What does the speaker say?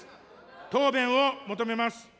答弁を求めます。